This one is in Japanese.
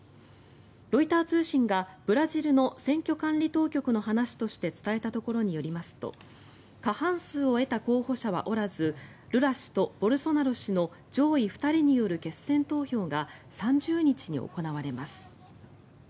ロイター通信がブラジルの選挙管理当局の話として伝えたところによりますと過半数を得た候補者はおらずルラ氏とボルソナロ氏の上位２人による決選投票が３０日に行われます。